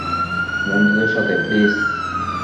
বন্ধুদের সাথে, প্লিজ?